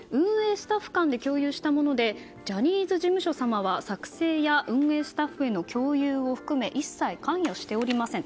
スタッフ間で共有したものでジャニーズ事務所様は作成や運営スタッフへの共有を含め一切関与しておりません。